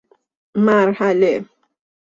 مرحله